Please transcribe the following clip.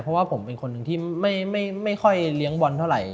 เพราะว่าผมเป็นคนหนึ่งที่ไม่ค่อยเลี้ยงบอลเท่าไหร่